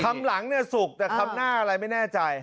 คำหลังในศูกแต่คำหน้าที่อะไรไม่ได้แน่ใจ